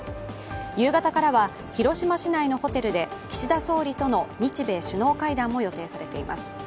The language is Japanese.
夕方からは、広島市内のホテルで岸田総理との日米首脳会談も予定されています。